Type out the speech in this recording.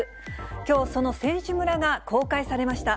きょう、その選手村が公開されました。